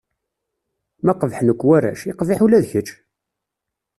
Ma qebḥen akk warrac, iqbiḥ ula d kečč!